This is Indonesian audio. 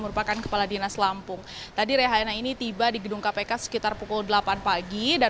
merupakan kepala dinas lampung tadi rehaina ini tiba di gedung kpk sekitar pukul delapan pagi dan